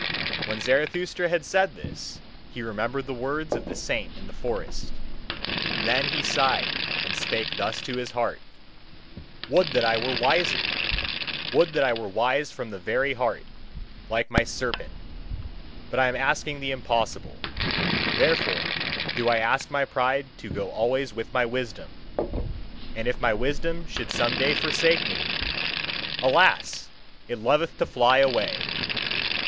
When Zarathustra had said this, he remembered the words of the saint in the forest. Then he sighed and spake thus to his heart: "Would that I were wiser! Would that I were wise from the very heart, like my serpent! But I am asking the impossible. Therefore do I ask my pride to go always with my wisdom! And if my wisdom should some day forsake me: alas! it loveth to fly away!